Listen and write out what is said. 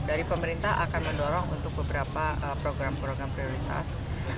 dari pemerintah akan mendorong untuk beberapa program program prioritas